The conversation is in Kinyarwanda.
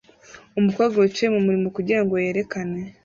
umukobwa wicaye mumuriro kugirango yerekane